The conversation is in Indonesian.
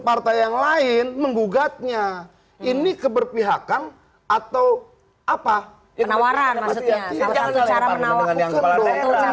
partai yang lain menggugatnya ini keberpihakan atau apa itu menawarkan maksudnya cara menawarkan